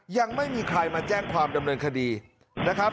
ยังไม่มีใครมาแจ้งความดำเนินคดีนะครับ